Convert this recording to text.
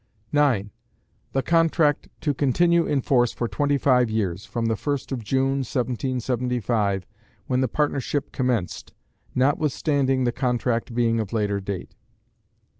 9. The contract to continue in force for twenty five years, from the 1st of June, 1775, when the partnership commenced, notwithstanding the contract being of later date.